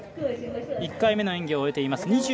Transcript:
１回目の演技を終えています。